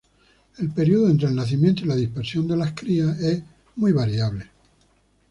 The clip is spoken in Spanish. El período entre el nacimiento y la dispersión de las crías es muy variable.